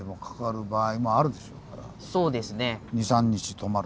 そうですね。